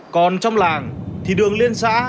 còn trong làng thì đường liên xã